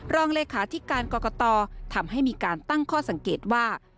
รองเลขาธิการกรกตทำให้มีการตั้งข้อสังเกตว่า